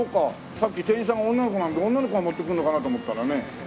さっき店員さんが女の子なんで女の子が持ってくるのかなと思ったらね。